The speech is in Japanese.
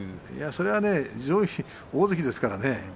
それは大関ですからね。